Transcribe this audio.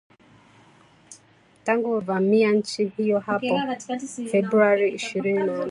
tangu Urusi ilipoivamia nchi hiyo hapo Februari ishirini na nne